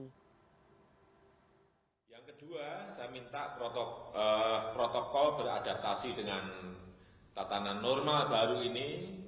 yang kedua saya minta protokol beradaptasi dengan tatanan normal baru ini